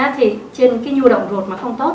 thì trên cái nhu động rột mà không tốt